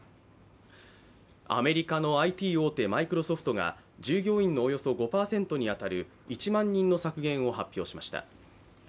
アメリカのＩＴ大手、マイクロソフトが従業員のおよそ５％にあたる１万人の削減を発表しました。